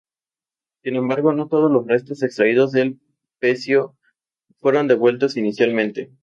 Sin embargo, no todos los restos extraídos del pecio fueron devueltos inicialmente.